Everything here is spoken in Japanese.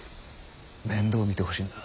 面倒見てほしいんだ。